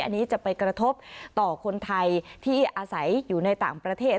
อันนี้จะไปกระทบต่อคนไทยที่อาศัยอยู่ในต่างประเทศ